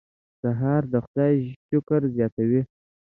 سهار د خدای شکر زیاتوي.